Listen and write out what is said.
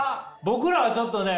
僕らはちょっとね